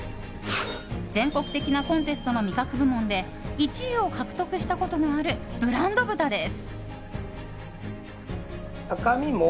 全国的なコンテストの味覚部門で１位を獲得したことのあるブランド豚です。